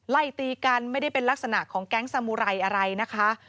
ไล่ตีกันไม่ได้เป็นลักษณะของแก๊งสามุไรอะไรนะคะ